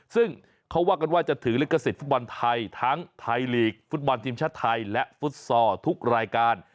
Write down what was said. ซึ่งเขาว่ากันว่าจะถือลิขสิทธิฟุตบอลไทยทั้งไทยลีกฟุตบอลทีมชาติไทยและฟุตซอลทุกรายการ